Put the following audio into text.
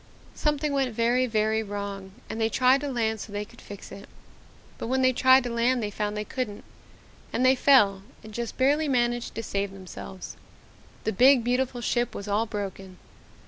"Something went very, very wrong and they tried to land so they could fix it. But when they tried to land they found they couldn't and they fell and just barely managed to save themselves. The big, beautiful ship was all broken.